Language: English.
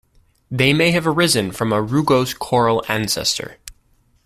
They may have arisen from a rugose coral ancestor.